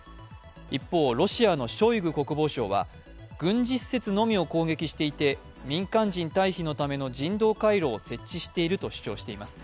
一方、ロシアのショイグ国防相は軍事施設のみを攻撃していて民間人退避のための人道回廊を設置していると主張しています。